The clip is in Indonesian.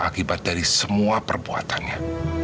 akibat dari semua perbuatannya